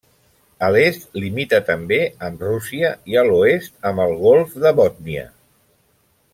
A l'est limita també amb Rússia i a l'oest amb el Golf de Bòtnia.